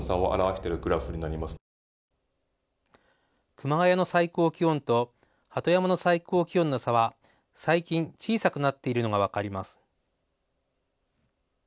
熊谷の最高気温と鳩山の最高気温の差は最近、小さくなっているのが分かります。